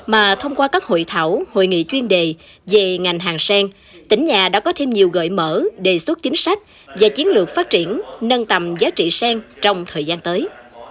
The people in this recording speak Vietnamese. mà thông qua các hội thảo hội nghị chuyên đề về ngành hàng sen tỉnh nhà đã có thêm nhiều gợi mở đề xuất chính sách và chiến lược phát triển nâng tầm giá trị sen trong thời gian tới